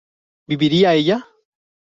¿viviría ella?